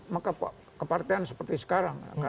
maka kepartian seperti sekarang